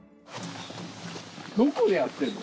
どこでやってるの？